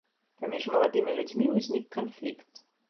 Паміж маладымі людзьмі ўзнік канфлікт.